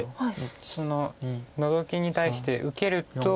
そのノゾキに対して受けると。